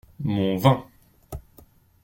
Mon vin.